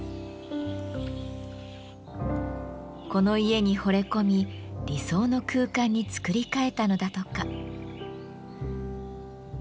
この家にほれ込み理想の空間に造り替えたのだとか。